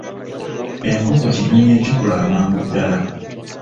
Enkoko kinyonyi ekikula amangu ddala.